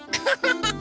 ハハハハ。